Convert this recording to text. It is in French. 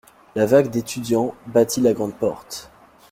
La vague d'étudiants battit la grande porte.